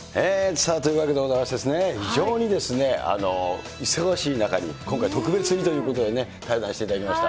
さあ、というわけでございましてですね、非常に忙しい中で、今回、特別にということで、対談していただきました。